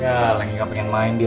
ya lengika pengen main dia